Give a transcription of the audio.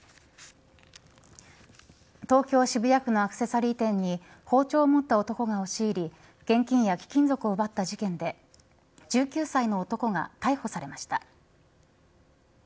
東京、渋谷区のアクセサリー店に包丁を持った男が押し入り現金や貴金属を奪った事件で１９歳の男が逮捕されました。